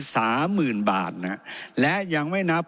สามหมื่นบาทเศษครับ